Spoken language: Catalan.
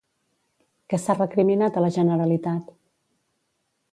Què s'ha recriminat a la Generalitat?